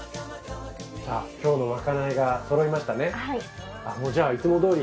さあ今日のまかないがそろいましたね。